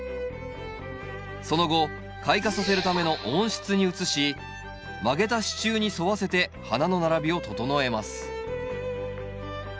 その後開花させるための温室に移し曲げた支柱に沿わせて花の並びを整えます